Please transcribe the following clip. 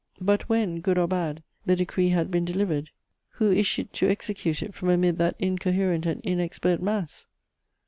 But when, good or bad, the decree had been delivered, who issued to execute it from amid that incoherent and inexpert mass?